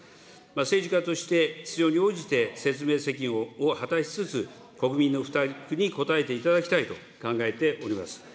政治家として必要に応じて説明責任を果たしつつ、国民の負託に答えていただきたいと考えております。